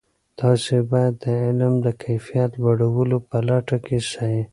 تاسې باید د علم د کیفیت لوړولو په لټه کې سئ.